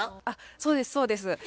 あっそうですそうです。